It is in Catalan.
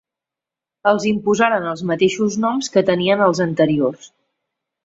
Els imposaren els mateixos noms que tenien els anteriors: